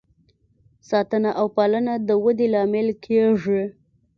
ساتنه او پالنه د ودې لامل کیږي.